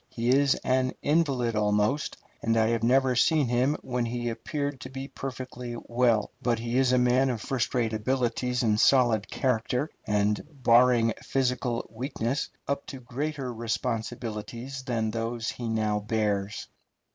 He is an invalid almost, and I have never seen him when he appeared to be perfectly well; but he is a man of first rate abilities and solid character, and, barring physical weakness, up to even greater responsibilities than those he now bears.